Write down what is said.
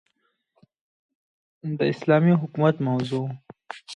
داسلامي حكومت موضوع